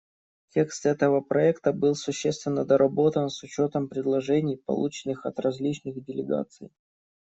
Текст этого проекта был существенно доработан с учетом предложений, полученных от различных делегаций.